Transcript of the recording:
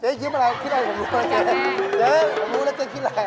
เจ๊คิดอะไรผมรู้แล้วเจ๊คิดอะไร